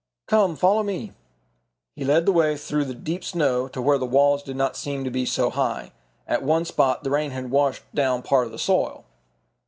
"Come, follow me." He led the way through the deep snow to where the walls did not seem to be so high. At one spot the rain had washed down part of the soil.